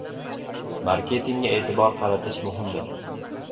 Marketingga e'tibor qaratish muhimdir.